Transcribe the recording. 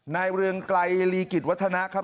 เรืองไกรลีกิจวัฒนะครับ